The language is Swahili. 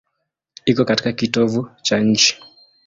Iko katika kitovu cha nchi.